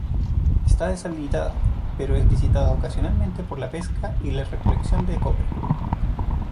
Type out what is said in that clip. Está deshabitada, pero es visitada ocasionalmente por la pesca y la recolección de copra.